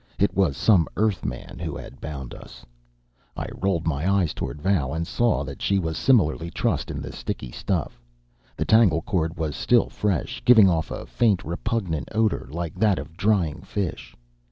It was some Earthman who had bound us. I rolled my eyes toward Val, and saw that she was similarly trussed in the sticky stuff. The tangle cord was still fresh, giving off a faint, repugnant odor like that of drying fish.